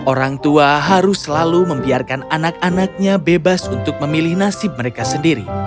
orang tua harus selalu membiarkan anak anaknya bebas untuk memilih nasib mereka sendiri